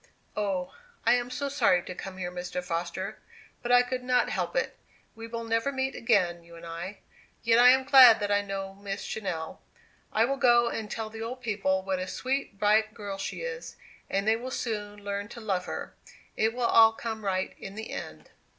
Oh, I was so sorry to come here, Mr. Foster; but I could not help it! We will never meet again, you and I. Yet I am glad that I know Miss Channell. I will go and tell the old people what a sweet bright girl she is; and they will soon learn to love her. It will all come right in the end."